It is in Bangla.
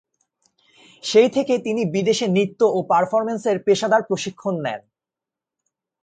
সেই থেকে তিনি বিদেশে নৃত্য ও পারফরম্যান্সের পেশাদার প্রশিক্ষণ নেন।